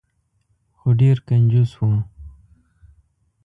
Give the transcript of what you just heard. خو ډیر کنجوس و.